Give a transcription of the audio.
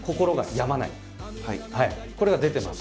これが出てます。